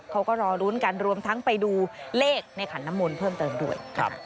เขาก็รอลุ้นกันรวมทั้งไปดูเลขในขันน้ำมนต์เพิ่มเติมด้วย